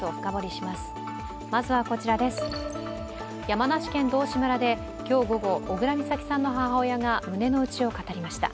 山梨県道志村で今日午後、小倉美咲さんの母親が胸のうちを語りました。